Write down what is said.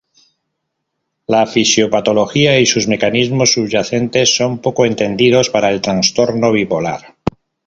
La fisiopatología y sus mecanismos subyacentes son pocos entendidos para el trastorno bipolar.